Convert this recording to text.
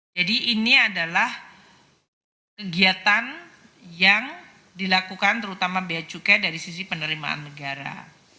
jadi ini adalah kegiatan yang dilakukan terutama bea cukai dari sisi penerimaan negara